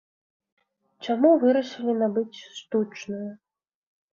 Чаму вырашылі набыць штучную?